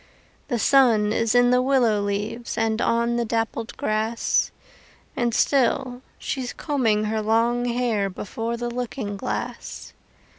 The sun is in the willow leaves And on the dapplled grass, And still she's combing her long hair Before the looking glass.